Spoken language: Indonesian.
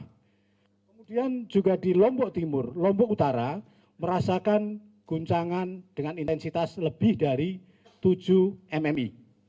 kemudian juga di lombok timur lombok utara merasakan guncangan dengan intensitas lebih dari tujuh mmi